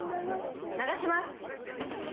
流します！